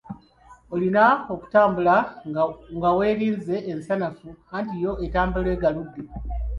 Olina okutambula nga weerinze ng'ensanafu, anti yo etambula egaludde.